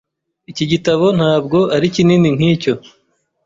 Iki gitabo ntabwo ari kinini nkicyo.